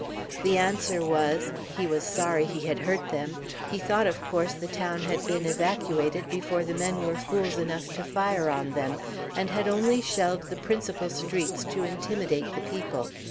The answer was, "He was sorry he had hurt them; he thought of course the town had been evacuated before the men were fools enough to fire on them, and had only shelled the principal streets to intimidate the people."